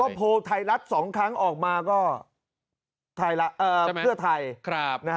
ก็โพลไทรัฐสองครั้งออกมาก็เพื่อไทยนะครับ